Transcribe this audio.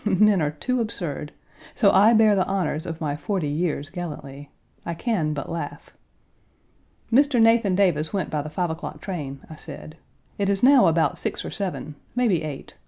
Men are too absurd! So I bear the honors of my forty years gallantly. I can but laugh. "Mr. Nathan Davis went by the five o'clock train," I said; "it is now about six or seven, maybe eight.